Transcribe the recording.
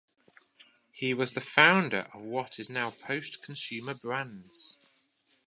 He was the founder of what is now Post Consumer Brands.